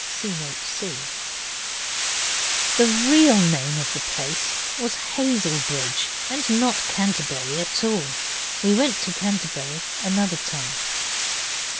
(See Note C.) The real name of the place was Hazelbridge, and not Canterbury at all. We went to Canterbury another time.